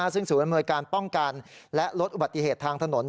ซึ่งส่วนเมื่อการป้องกันและลดอุบัติเหตุทางถนน